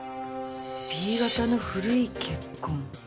Ｂ型の古い血痕。